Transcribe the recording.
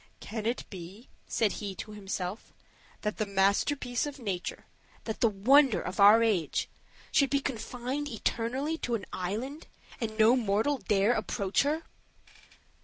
"Can it be," said he to himself, "that the masterpiece of nature, that the wonder of our age, should be confined eternally in an island, and no mortal dare to approach her?